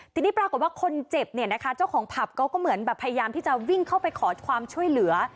ทีนี้ปรากฏว่าคนเจ็บเนี่ยนะคะเจ้าของผับเขาก็เหมือนแบบพยายามที่จะวิ่งเข้าไปขอความช่วยเหลือ